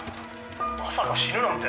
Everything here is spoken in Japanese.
「まさか死ぬなんて。